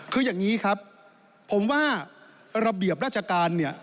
คืออย่างนี้ครับผมว่าระเบียบราชการเนี่ย